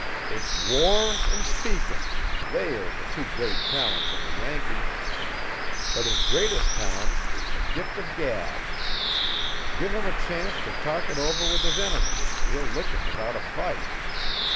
It's war an' speakin', they are the two great talents of the Yankee. But his greatest talent is the gift o' gab. Give him a chance t' talk it over with his enemy an' he'll lick 'im without a fight.